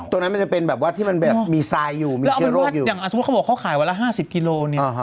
ตรงนั้นมันจะเป็นแบบว่าที่มันแบบมีซายอยู่มีเชื้อโรคอยู่แล้วเอาเป็นว่าอย่างสมมติเขาบอกเขาขายวันละ๕๐กิโลเนี่ย